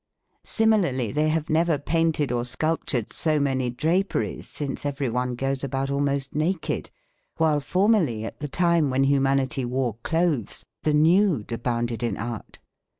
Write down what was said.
Similarly, they have never painted or sculptured so many draperies, since everyone goes about almost naked, while formerly at the time when humanity wore clothes the nude abounded in art.